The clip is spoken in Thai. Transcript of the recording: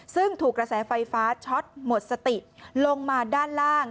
ซึ่งถูกกระแสไฟฟ้าช็อตหมดสติลงมาด้านล่าง